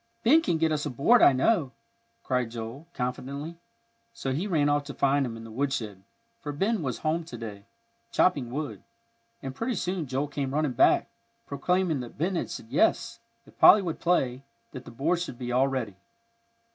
"Ben can get us a board, I know," cried Joel, confidently; so he ran off to find him in the woodshed, for Ben was home to day, chopping wood. And pretty soon Joel came running back, proclaiming that Ben had said yes, if Polly would play, that the board should be all ready.